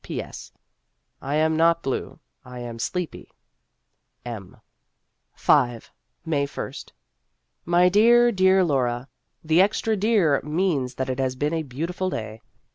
P. S. I am not blue ; I am sleepy. M. May i st. MY DEAR, DEAR LAURA : (The extra dear means that it has been a beautiful day.)